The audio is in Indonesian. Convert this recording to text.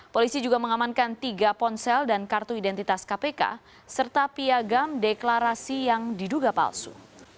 polisi juga mengamankan tiga ponsel dan kartu identitas kpk serta piagam deklarasi yang diduga palsu